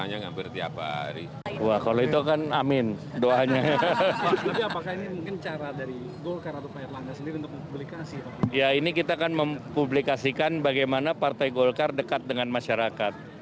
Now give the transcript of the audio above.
ya ini kita akan mempublikasikan bagaimana partai golkar dekat dengan masyarakat